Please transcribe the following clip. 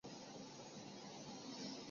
最后与定陵侯淳于长关系亲密而免官。